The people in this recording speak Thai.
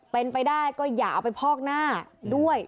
เป็นไปได้ก็อย่าเอาไปพอกหน้าด้วย